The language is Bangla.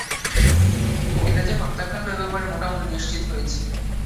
এটা যে হত্যাকাণ্ড এ-ব্যাপারে মোটামুটি নিশ্চিত হয়েছি।